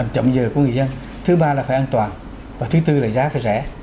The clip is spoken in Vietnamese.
chậm dời của người dân thứ ba là phải an toàn và thứ tư là giá phải rẻ